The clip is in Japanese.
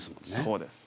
そうです。